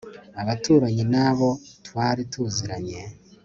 abaturanyi n'abo twari tuziranye